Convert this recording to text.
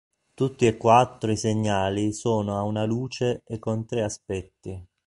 Tutti e quattro i segnali sono a una luce e con tre aspetti.